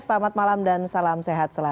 selamat malam dan salam sehat selalu